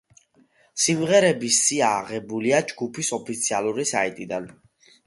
სიმღერების სია აღებულია ჯგუფის ოფიციალური საიტიდან.